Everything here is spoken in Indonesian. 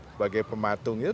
sebagai pematung itu